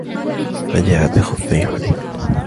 رجع بخفي حنين.